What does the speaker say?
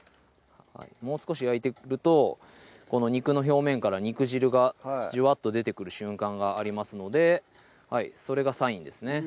もう少し焼いてると肉の表面から肉汁がジュワッと出てくる瞬間がありますのでそれがサインですね